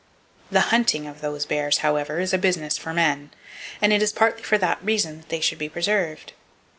The hunting of those bears, however, is a business for men; and it is partly for that reason they [Page 179] should be preserved.